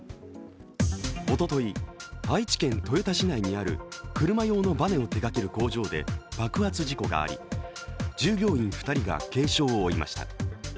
おととい、愛知県豊田市内にある車用のバネを手がける工場で爆発事故があり従業員２人が軽傷を負いました。